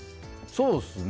そうですね。